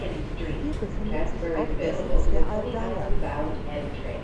Hier befindet sich auch der Sitz der Aldeia.